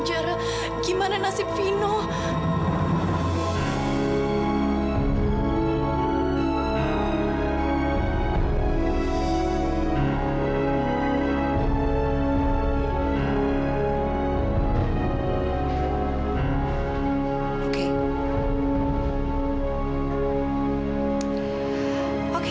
selamatkan anak saya dokter